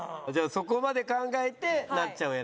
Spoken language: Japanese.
そこまで考えてなっちゃんを選んだ。